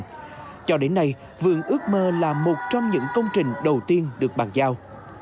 trong thời gian này vườn ước mơ là một trong những công trình đầu tiên được bàn giao